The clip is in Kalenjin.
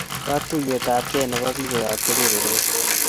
Katuyet ab kee nebo bik koyap kebeberwek